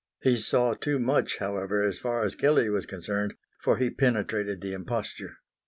He saw too much, however, as far as Kelley was concerned, for he penetrated the imposture.